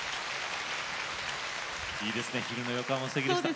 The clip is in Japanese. いいですね昼の横浜すてきでした。